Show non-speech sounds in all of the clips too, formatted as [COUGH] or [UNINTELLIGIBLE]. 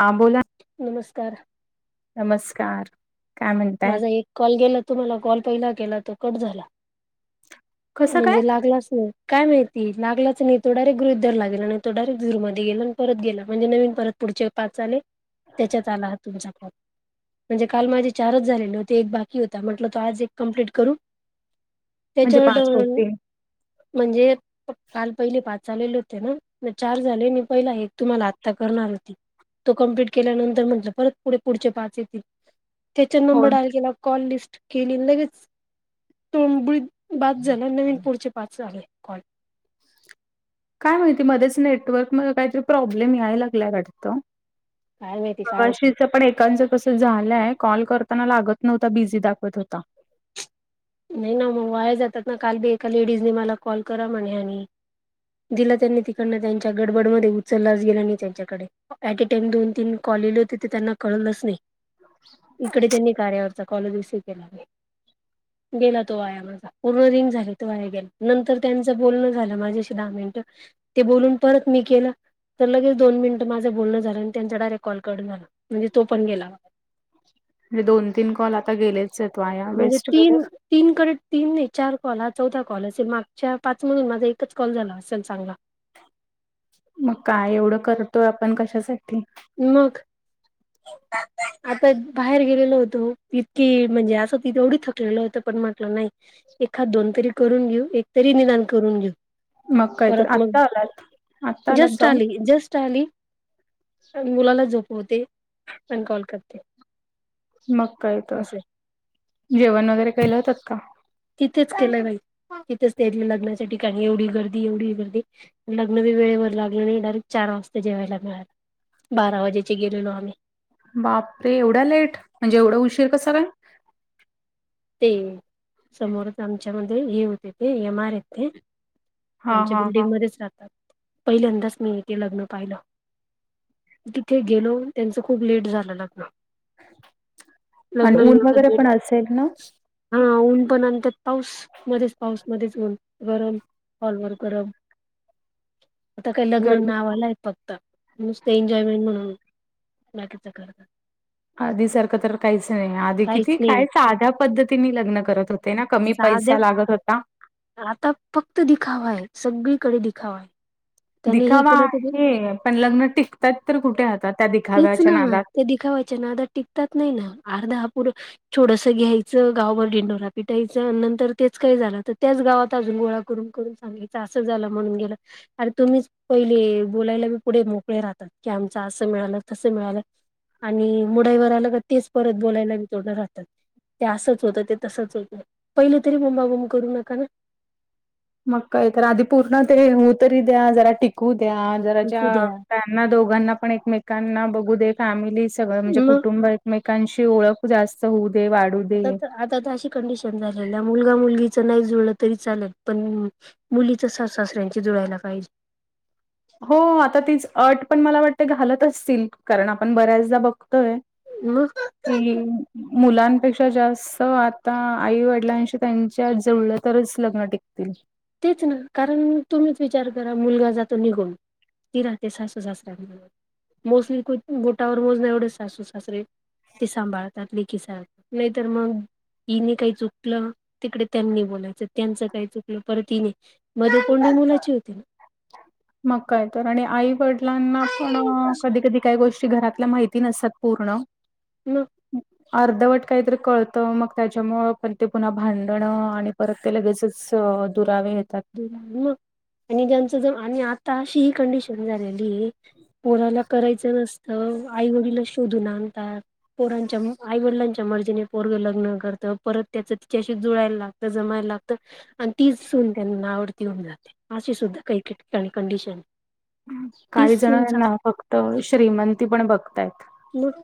हां बोला नमस्कार नमस्कार काय म्हणताय? माझा एक कॉल गेला तो मला कॉल पहिला केला तो कट झाला कसं म्हणजे काय? लागलाच नाही काय माहिती लागलाच नाही तो डारेक् गृह दर लागेला नाही तो डारेक्टूरमध्ये गेला आणि परत गे म्हणे नवीनत पुढचे पाच आले त्याच्यात आला तुमझ म्हणजे काल माझे चारच झालेलेवते एक बाकी होता म्हटलं तो आज एक कम्प्लीट करू म्हणजे चड पाच होतील. म्हणजे काल पहिले पाच चालेले होते ना म चार झाले मी पहिला एक तुम्हाला आता करणार होता होती तो कंप्लीट केल्यानंतर म्हटलं परत पुढे पुढचे पाच येतील त्याचा हो नंबर डाल केला कॉल लिफट केली लगेच तोब बाद झाला नवीन पुढचे पाचले कॉल काय माहिती मध्येच नेटवर्क मध्ये काहीतरी प्रॉब्लेम याय लागल्या वाटत काय माहिती काय मघाशी होतंय. पण ईथएांचं कस झालंय कॉल करताना लागत नव्हता बिझी दाखवत होता नाही ना मग वाहे जातात ना काल बी एका लेडीजने मला कॉल करा म्हणे आम्ही दिला त्यांनी तिकडन त्यांच्या गडबडमध्येध्ये उचललाच गेला नाही त्यांच्याकडे ऍट ए टाइम दोन तीन कॉल गले होते ते त्यांना कळलंच नाही इकडे त्यांनी कार्यावरचा कॉलेज रिसीव्ह केला नाही गेला तोवाया मग पूर्ण दिन झाले त वय गे नंतर त्यांचं बोलणं झालं माझी अशी दहा मिनट ते बोलून परत मी केलं तर लगेच दोन मिनिट माझ बोलण झालं आणि त्यांचा डायरेट कॉल करून झाला म्हणजे तो पण गेला म्हणजे दोन तीन कॉल आता गेलेच सतवाय म्हणजे तीन तीनकडे तीन नाही चार कॉल चौदा कॉल असे मागच्या पाचमधून माझा एकच कॉल झाला असेल चांगला मग काय एवढं करतोय आपण कशासाठी मग आता बाहेर गेलेल होतो इतकी म्हणजे असं तिथ एवढी थकलेलं होतं पण म्हटलं नाही एखाद दोन तरी करून घेऊ एकतरी निदान करून घेऊ. मग काय तर परत आत्ता आलात. आत्ता मग आलात जस्ट जाऊन आली जस्ट आली मुलाला झोपवते पण कॉल करते. मग काय तर असे जेवण वगैरे केलं होतात का. तिथेच केलं जाहि तिथेच त्या लग्नाच्या ठिकाणी एवढी गर्दी एवढी गर्दी. लग्न बी वेळेवर लागलं नाही डायरेक्ट चार वाजता जेवायला मिळालं बारा वाजेचे गेलोलो आम्ही. बापरे एवढा लेट म्हणजे एवढं उशीर का सगळे. ते समोरच आमच्यामध्ये हे होते ते एम आर य ते. हा आमच्या हा हा बिल्डिंगमध्येध्येच राहतात पहिल्यांदाच मी इथे लग्न पाहिलं. तिथे गेलो त्यांच खूप लेट झाला लागल. आणि ऊन वगैरे लेट पण असेल ना. हा ऊन पण अंतात पाऊस. मध्येच पाऊस मध्येच होऊन गरम हॉलवर गरम. आता काय लग्न गरमी नावालाय. फक्त नुसत एन्जॉयमेंट म्हणून बाकीच करतात. आधी सारखं तर काहीच नाही आधी काहीच किती नाही. काही साध्या पद्धती लग्न करत होत. ते ना कमी साध्या पैसा लागत होता. आता फक्त दिखावा आहे सगळीकडे दिखावा आहे. त्याने हे दिखावा केलं तर आहे पण लग्न टिकतात तर कुठे आात त्या तेच दिखाव्याच्या नादात. ते दिखावायच्या ना टिकतात नाही ना अर्धापूर. छोडसं घ्यायचं गावभर डंडोरा पिटायचं आणि नंतर तेच काय झालं तर त्याच गावात अजून गोळा. करून करून सांगायच असं झालं म्हणून गेलं. आणि तुम्हीच पहिले बोलायला मी पुढे मोकळे राहतात की आमचा असं मिळालं तसं मिळालं. आणि मुडाईवर आलं का तेच परत बोलायलाी तोडं राहतात. ते असंच होतं ते तसंच होतं पहिलं तरी मम्मा बम करू नका ना. विकू द्या [UNINTELLIGIBLE] दोघांना पण एकमेकांना बघू दे फॅमिली सगळं म्हणजे मग कुटुंब. एकमेकांची ओळख जास्त होऊ दे वाढून. आता तर आता तर अशी कंडिशन झालेल्या मुलगा मुलगीच नाही जुळलं तरी चालेल पण. मुलीचं सासू-सासर्‍यांची जुळायला पाहिजे. हो आता तीच अट पण मला वाटते घालत असतील कारण आपण बऱ्याचदा बघतोय. [INAUDIBLE] कली [UNINTELLIGIBLE] मुलांपेक्षा जास्त आता आईवडिलांशी त्यांच्या जुळलं तरच लग्न टिकतील तेच ना कारण तुम्हीच विचार करा मुलगा जातो निघून ती राहते सासू-सासर्‍यांबरोबर मोस्टली बोटावर मोजण्या एवढे सासू सासरे. ते सांभाळतात लेकी सारखे नाहीतर मग. हिने काय चुकलं तिकडे त्यांनी बोलायचं त्यांच काय चुकलं. परतीने मध्ये कोंडी मुलाची होती. मग काय तर आणि आई वडिलांना पण कधी कधी. काही गोष्टी घरातल्या माहिती नसतात पूर्ण. [INAUDIBLE] अर्धवट काहीतरी कळतं मग त्याच्यामुंळ पण ते पुन्हा भांडणं आणि परत. तर लगेचच दुरावे येतात. आणि त्यांच आता ही कंडशन. झालीलाला करायचं नसतं आईवडला शोधून आणतात. पोरांच्या आईवडिलांच्या मर्जीने पोरग लग्न करतं परत त्याचं तिच्याशी जुळाायला लागतं जमायला लागतं. आणि तीच सून त्यांना आवडती होऊन जाते अशी सुद्धा काहीाणी कंडिशन. तीच काही सून सास जणना फक्त श्रीमंती पण बघतायत. मग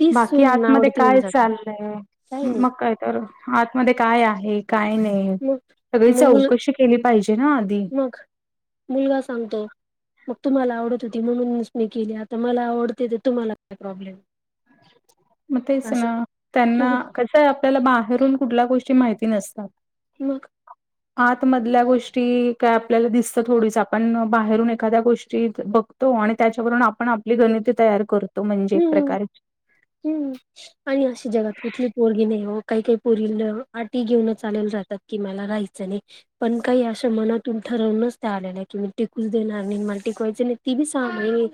तीच बाकी सून आतमध्ये आवडती होऊन काय जाते चालय काही नाही मग काय.. तर आतमध्ये काय आहे काय नाही मग सगळी मग मुल चौकशी केली पाहिजे ना आधी.. मग मुलगा सांगतो. मग तुम्हाला आवडत होती म्हणूनच मी केली आता मला आवडते तर तुम्हाला काय प्रॉब्लेम. म तेच असं ना त्यांना.. म्हणजे कसं आहे आपल्याला बाहेरून कुठल्या गोष्टी माहिती नसतात. मग. आतमधल्या गोष्टी काय आपल्याला दिसता थोडीच आपण बाहेरून एखाद्या गोष्टी बघ तो आणि त्याच्यावरून आपण आपली गणिती तयार करतो म्हणजे एक हम्म प्रकारे हम्म. आणि अशी जगात कुठली पोरगी नाही हो काही काही पोरी आटी घेऊनच आलेल्या राहतात. कि मला राहायचं नाही. पण काही अशा मनातून ठरवूनच त्या आलेलं आहे की मी टिकूच देणार नाही मला टिकवायच नाही ती बी सां...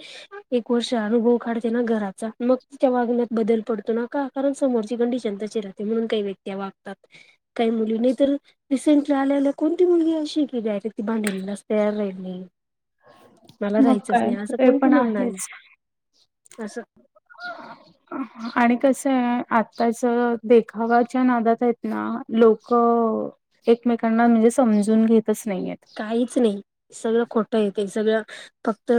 एक वर्ष अनुभव काढते ना घराचा मग... तच्या वागण्यात बदल पडतो नका कारण समोरची गंडीशताचेि राहते म्हणून काही व्यक्ती्या वागतात. काही मुली नाही तर... रिसेंटली आल्याला कोणती मुलगी अशी गली आहेर ती भांडललाच तयार राहील नाही. मला मग राहायचंच काय? नाही असं ते कोणती पण म्हणणार आहे? आहेच. असं. आणि कसं आहे आताच देखावाच्या नादात आहेत ना लोकं एकमेकांना म्हणजे समजून घेतच नाहीेत. काहीच नाही सगळं खोटं य ते सगळं फक्त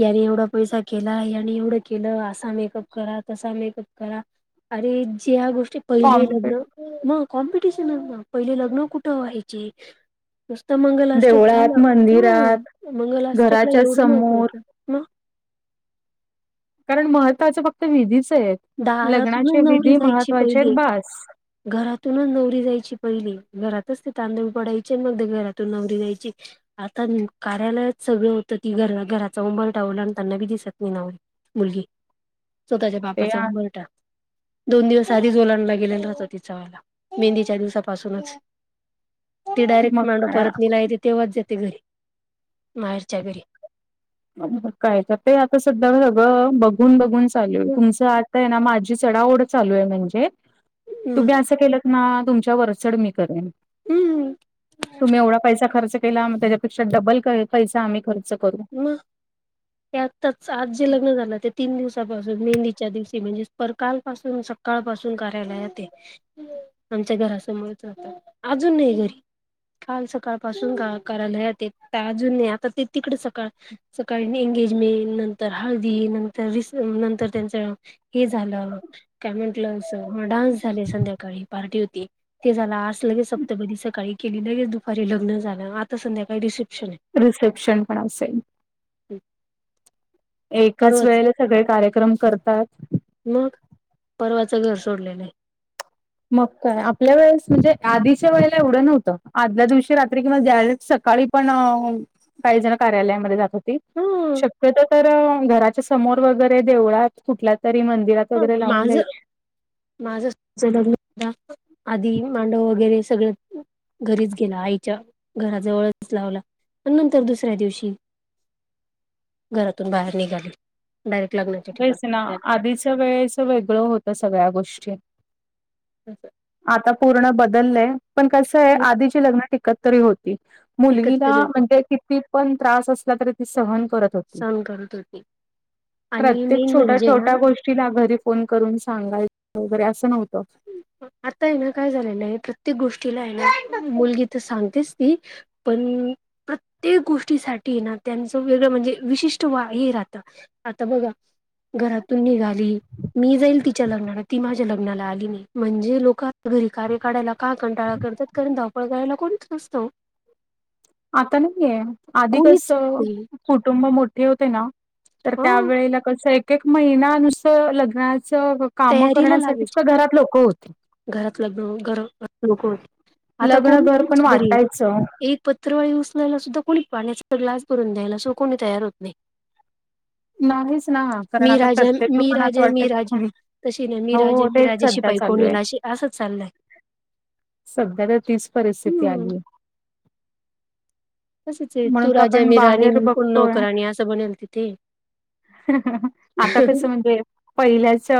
याने एवढा पैसा केला या एवढं केलं असा मेकअप करा तसा मेकअप करा. अरे ज्या गोष्टी पहिले लग्न कॉम्पिट मग कॉम्पिटिशन ना पहिले लग्न कुठं व्हायचे.? नुसतं मंगलाष्टक झालं देवळात, मंदिरात, ह मंगलाष्टकला घराच्या एवढं महत्व समोर होतं मग. कारण महत्वाच फक्त विधीच आहेत लग्नाची दारातूनच नवरी विधी जायची महत्वाचे आहेत पहिली बास. घरातूनच नवरी जायची पहिली घरातच ते तांदूळ पडायचे मग घरातून नवरी जायची. आता न कार्यालयात सगळं होतं की घ घराचा उंबरठा ओलांडताना बी दिसत नाही नवरी. मुलगी स्वतःच्या ते बापाचा आ उंबरठा दोन दिवस आधीच ओलांडला गेलेला राहतो तिचा वाला. मेहंदीच्या दिवसापासूनच ती डायरेक्ट मग मांडव काय परतनिला येते तेव्हाच जाते घरी माहेरच्या घरी. मग काय त ते आता सध्या सगळं बघून बघून चालू आहे तुमचं आता य ना माझ्या चढाओढ चालू आहे म्हणजे म तुम्ही असं केलं ना तुमच्या वरचढ मी करेन. हम्म. तुम्ही एवढा पैसा खर्च केला त्याच्यापेक्षा डबल पैसा आम्ही खर्च करू. ह [INAUDIBLE] ते आताच आज जे लग्न झालं ते तीन दिवसापासून मेहंदीच्या दिवशी म्हणजे पर कालपासून सक सकाळपासून कार्यालयात य आमच्या घरासमोरच राहता अजून नाही घरी. काल सकाळ पासून अ कार्यालयात त अजून आता ते तिकडे सक का सकाळी एंगेजमेंट नंतर हळदी नंतर रिस नंतर त्यांचा हे झालं काय म्हंटलं अस डान्स झाले संध्याकाळी पार्टी होती. ते झालं आज लगेच सप्तपदी सकाळी केली लगेच दुपारी लग्न झालं आता संध्याकाळी रिसेप्शन. रिसेप्शन पण असेल. हठी [INAUDIBLE] एकाच वेळेला सगळे कार्यक्रम करतात. परवाचं घर सोडलेलं य. मग काय आपल्या वेळेस म्हणजे आधीच्या वेळेला एवढं नव्हतं आदल्या दिवशी रात्री किंवा ज्यावेळी सकाळी पण काही जण कार्यालयामध्ये जातात. शक्यत तर घराच्या समोर वगरे देवळात कुठल्या तरी मंदिात.. हा माझ माझ [UNINTELLIGIBLE] आधी मांडव वगैरे सगळ.. घरीच गेला आईच्या घराजवळच लावला नंतर दुसऱ्या दिवशी घरातून बाहेर निघाली डायरेक्ट [UNINTELLIGIBLE] तेच ना आधीच वेळेचं वेगळं होतं सगळ्या गोष्टी आता पूर्ण बदललय. पण कस आहे खूप आधीची लग्न टिकत तरी होत ती मुलगीला एकत्र होती म्हणजे किती पण त्रास असला तरी ती सहन करत होती सहन करत होती आणि प्रत्येक मेन छोट्या म्हणजे ना छोट्या गोष्टीला घरी फोन करून सांगायचं वगैरे असं नव्हतं आता हे काय झालेलं, प्रत्येक गोष्टीला आहे ना मुलगी तर सांगतेच ती पण प्रत्येक गोष्टीसाठी ना त्यांचं वेगळं म्हणजे विशिष्ट वा हे राहतं आता बघा घरातून निघाली मी जाईल तिच्या लग्नाला, ती माझ्या लग्नाला आली नाही म्हणजे लोक आता घरी कार्य काढायला का कंटाळा करतात कारण धावपळ करायला कोणीच नसतं ओ [INAUDIBLE] आता नाहीये, आधी कस कोणीच नाही कुटुंब मोठे होते ना तर ह त्यावेेळेला कसं एक एक एक महिना नुसतं लग्नाचं काम करण्यासाठीच घरात लोकं होती घरातलं लग्न [UNINTELLIGIBLE] लोक होती. आता लग्न कोणी घर पण कोणाच्या घरी वाटायचं. एक पत्रवाळी उचलायला सुद्धा कोणी पाण्याचा ग्लास भरून द्यायला सु कोणी तयार होत ही, नाहीच ना कारण मी आता राजा प्रत्येक मी लोकांना असं राजा मी वाटतं राजा की तशी नाही मी हो राजा हो मी तेच राजा सध्या शिपाई कोण चालू आहे. होईल अशी असंच चाललंय सध्या तर तीच परिस्थिती हम्म आलीए तसच आहे तू राजा मी राणी कोण बघतोय. नौकरणी असं बनेल तिथे आता कस म्हणजे पहिल्याच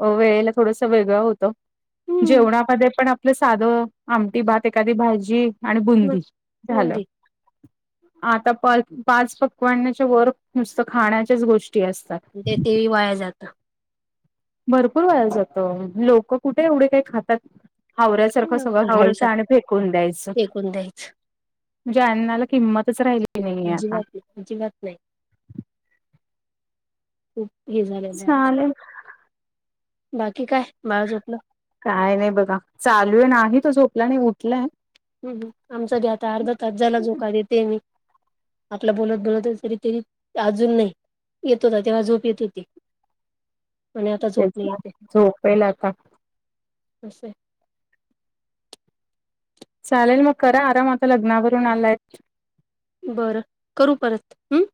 वेळेला अह थोडस वेगळं होतं हम्म जेवणामध्ये पण आपलं साधं आमटी भात एखादी भाजी आणि मग बुंदी झालं. बुंदी आता पाच पाच पक्वान्नाच्या वर नुसतं खाण्याच्याच गोष्टी असतात ते तेही वाया जात भरपूर वाया जातं. लोक कुठे एवढे काही खातात हावऱ्यासारखं काय सगळं घ्यायचं हावऱ्यासाठी आणि फेकून द्यायचं फेकून द्यायचं म्हणजे अन्नाला किंमतच राहिली नाहीये आता अजिबात अजिबात नाही खूप हे झालेलं आहे आता चालेल बाकी काय? बाळ झोपलं काय नाही बघा. चालू आहे. नाही तो झोपला नाही उठलाय हम्म हम्म आमचा ते आता अर्धा तास झाला झोका देतेय मी आपला बोलत बोलत तरी तरी अजून नाही येत होता तेव्हा झोप येत होती आणि आता झोप तेच नाही ना येत आहे झोपेल आता अस आहे चालेल मग करा आराम आता लग्नावरून आलाय बरं करू परत, हम्म.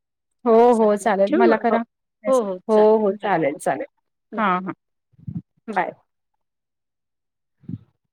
हो हो चालेल मला करा. मी असेन. हो हो चालेल चालेल. बाय हां हां बाय.